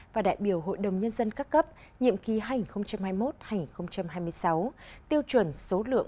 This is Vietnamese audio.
và đại biểu hội đồng nhân dân các cấp nhiệm ký hành hai mươi một hai nghìn hai mươi sáu tiêu chuẩn số lượng